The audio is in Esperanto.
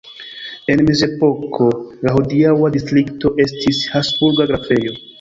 En mezepoko la hodiaŭa distrikto estis habsburga grafejo.